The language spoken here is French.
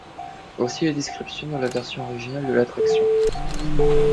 Voici la description de la version originale de l'attraction.